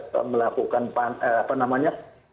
melakukan apa namanya